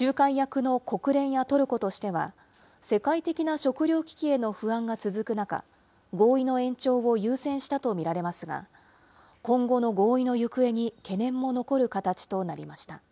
仲介役の国連やトルコとしては、世界的な食料危機への不安が続く中、合意の延長を優先したと見られますが、今後の合意の行方に懸念も残る形となりました。